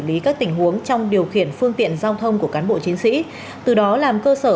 lý các tình huống trong điều khiển phương tiện giao thông của cán bộ chiến sĩ từ đó làm cơ sở